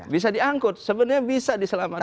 bisa diangkut sebenarnya bisa diselamatkan